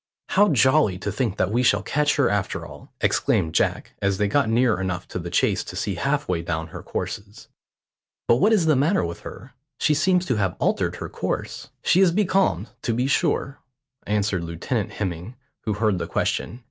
"How jolly to think that we shall catch her after all," exclaimed Jack, as they got near enough to the chase to see halfway down her courses. "But what is the matter with her? She seems to have altered her course." "She is becalmed, to be sure," answered Lieutenant Hemming, who heard the question.